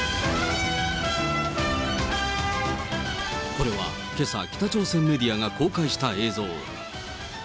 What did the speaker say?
これはけさ、北朝鮮メディアが公開した映像。